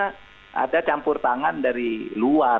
karena dia campur tangan dari luar